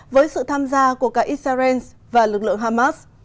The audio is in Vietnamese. với sự tham gia của cả israel và lực lượng hamas